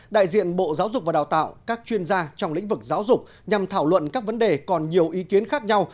đại diện bộ giáo dục và đào tạo các chuyên gia trong lĩnh vực giáo dục nhằm thảo luận các vấn đề còn nhiều ý kiến khác nhau